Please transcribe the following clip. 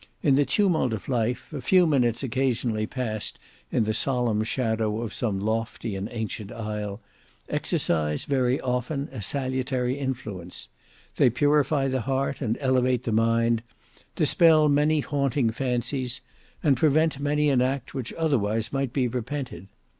In the tumult of life, a few minutes occasionally passed in the solemn shadow of some lofty and ancient aisle, exercise very often a salutary influence: they purify the heart and elevate the mind; dispel many haunting fancies, and prevent many an act which otherwise might be repented.